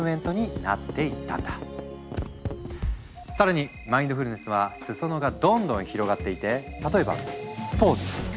更にマインドフルネスは裾野がどんどん広がっていて例えばスポーツ！